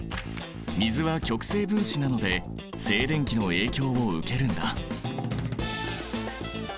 水は極性分子なので静電気の影響を受けるんだ。